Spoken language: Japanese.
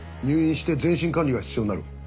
入院して全身管理が必要になる。